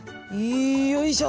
いよいしょ。